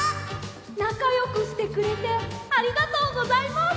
なかよくしてくれてありがとうございます。